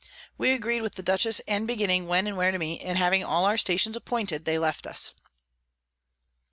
We agreed with the Dutchess and Beginning when and where to meet; and having all our Stations appointed, they left us.